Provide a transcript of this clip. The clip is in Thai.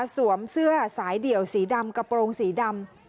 เสื้อสายเดี่ยวสีดำกระโปรงสีดำ